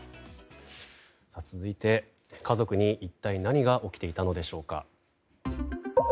続いて、家族に一体何が起きていたのでしょうか。